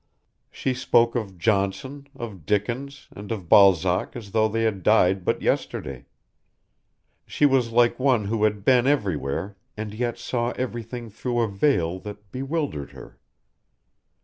She spoke of Johnson, of Dickens, and of Balzac as though they had died but yesterday. She was like one who had been everywhere and yet saw everything through a veil that bewildered her.